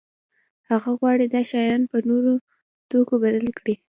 هغه غواړي دا شیان په نورو توکو بدل کړي.